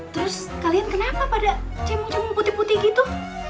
terus kalian kenapa pada cemung cemung putih putih gitu